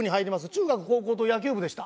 中学高校と野球部でした。